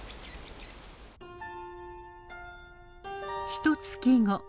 ひとつき後。